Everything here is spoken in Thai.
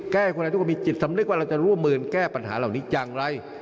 ให้คนไทยทุกคนมีจิตสำนึกว่าเราจะร่วมมือแก้ปัญหาเหล่านี้อย่างไร